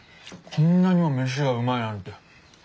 こんなにも飯がうまいなんて！